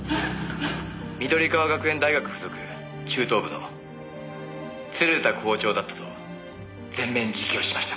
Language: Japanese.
「緑川学園大学付属中等部の鶴田校長だったと全面自供しました」